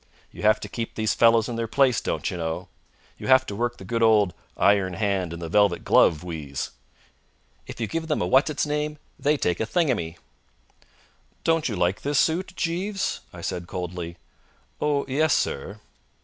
You have to keep these fellows in their place, don't you know. You have to work the good old iron hand in the velvet glove wheeze. If you give them a what's its name, they take a thingummy. "Don't you like this suit, Jeeves?" I said coldly. "Oh, yes, sir."